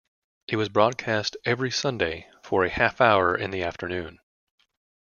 It was broadcast every Sunday for a half-hour in the afternoon.